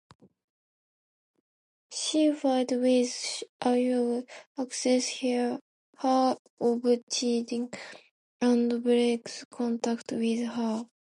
She fights with Aishwarya and accuses her of cheating and breaks contact with her.